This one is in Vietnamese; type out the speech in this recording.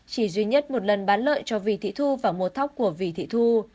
chỉ duy nhất một lần bán lợi cho vị thị thu và mua thóc của vị thị thu